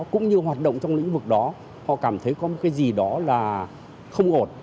cũng như hoạt động trong lĩnh vực đó họ cảm thấy có một cái gì đó là không ổn